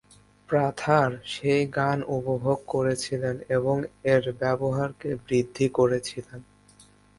প্রাথার সেই গান উপভোগ করেছিলেন এবং এর ব্যবহারকে বৃদ্ধি করেছিলেন।